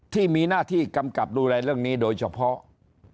ที่มีหน้าที่กำกับดูแลเรื่องนี้โดยเฉพาะ